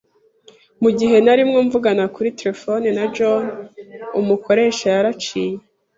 Mugihe narimo mvugana kuri terefone na John, umukoresha yaraciye.